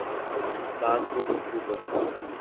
Bacurituba